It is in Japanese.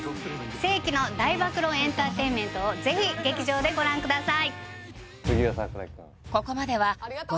世紀の大暴露エンターテインメントをぜひ劇場でご覧ください